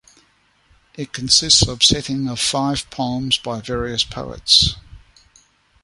It consists of settings of five poems by various poets.